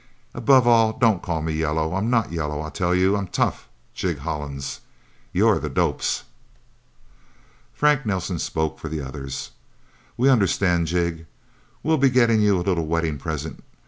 Above all, don't call me yellow! I'm not yellow, I tell you! I'm tough Jig Hollins! You're the dopes!... Frank Nelsen spoke for the others. "We understand, Jig. We'll be getting you a little wedding present.